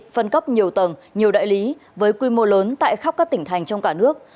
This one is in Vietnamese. phân cấp nhiều tầng nhiều đại lý với quy mô lớn tại khắp các tỉnh thành trong cả nước